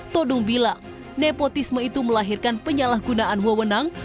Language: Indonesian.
todung bilang nepotisme itu melahirkan penyalahgunaan wewenang